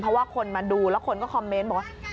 เพราะว่าคนมาดูแล้วคนก็คอมเมนต์บอกว่า